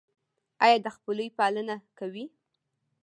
ایا د خپلوۍ پالنه کوئ؟